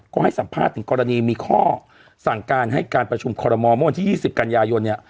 ก็ให้สัมภาษณ์ถึงกรณีมีข้อสั่งการให้การประชุมคอรมอลเมื่อวันที่๒๐กันยายนเนี่ย